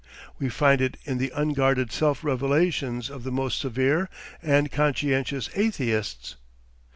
We find it in the unguarded self revelations of the most severe and conscientious Atheists.